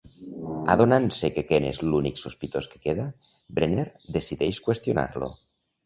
Adonant-se que Kent és l'únic sospitós que queda, Brenner decideix qüestionar-lo.